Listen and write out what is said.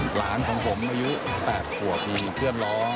หลานของผมอายุ๘ขวบมีเพื่อนร้อง